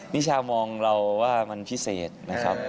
มิชามองเราว่ามันพิเศษนะครับ